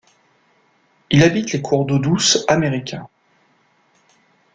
Il habite les cours d'eau douce américains.